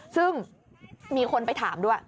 ซึ่งมีคนไปถามด้วย